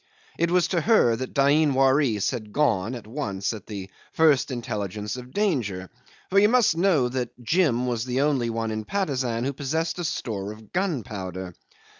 It was to her that Dain Waris had gone at once at the first intelligence of danger, for you must know that Jim was the only one in Patusan who possessed a store of gunpowder.